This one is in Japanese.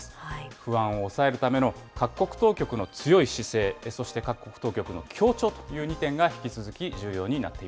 不安を抑えるための各国当局の強い姿勢、そして各国当局の協調という２点が、引き続き重要になっ